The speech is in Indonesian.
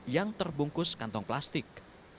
yang terbungkus kantong plastik